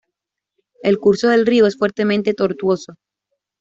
El curso del río es fuertemente tortuoso.